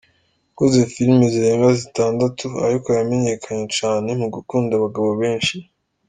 Yakoze film zirenga zitandatu ariko yamenyekanye cane mu gukunda abagabo benshi.